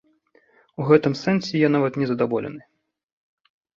У гэтым сэнсе я нават незадаволены.